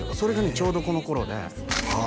ちょうどこの頃でああ